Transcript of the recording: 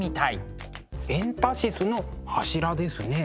エンタシスの柱ですね。